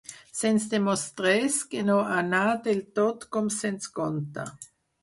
se'ns demostrés que no anà del tot com se'ns conta